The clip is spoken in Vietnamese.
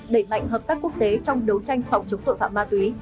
đẩy mạnh hợp tác quốc tế trong đấu tranh phòng chống tội phạm ma túy